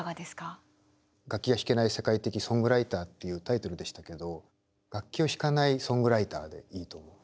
「楽器が弾けない世界的ソングライター」っていうタイトルでしたけど「楽器を弾かないソングライター」でいいと思う。